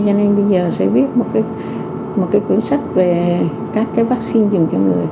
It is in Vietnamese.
cho nên bây giờ sẽ viết một cái cuốn sách về các cái vaccine dùm cho người